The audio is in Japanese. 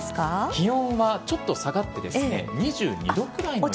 気温はちょっと下がって２２度くらいです。